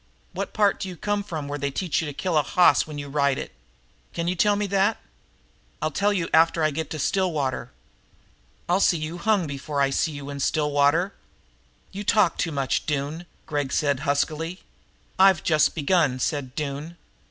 What part d'you come from where they teach you to kill a hoss when you ride it? Can you tell me that?" "I'll tell you after I get to Stillwater." "I'll see you hung before I see you in Stillwater." "You've talked too much, Doone," Gregg said huskily. "I've just begun," said Doone.